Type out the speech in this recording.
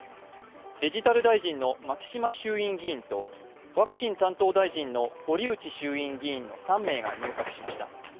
デジタル大臣の牧島衆院議員とワクチン担当大臣の堀内衆院議員の３名が入閣しました。